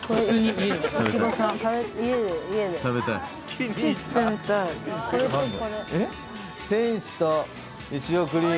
天使とイチゴクリーム。